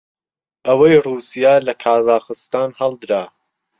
ئەوەی ڕووسیا لە کازاخستان هەڵدرا